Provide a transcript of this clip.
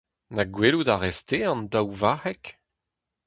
Na gwelout a rez-te an daou varc'heg ?